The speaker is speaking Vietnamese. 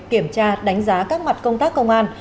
kiểm tra đánh giá các mặt công tác công an